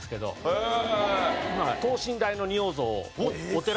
へえ！